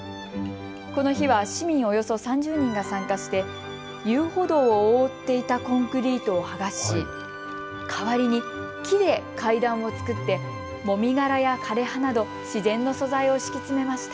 この日は市民およそ３０人が参加して遊歩道を覆っていたコンクリートを剥がし、代わりに木で階段を作ってもみ殻や枯れ葉など自然の素材を敷き詰めました。